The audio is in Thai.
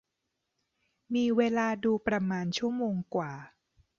มีเวลาดูประมาณชั่วโมงกว่า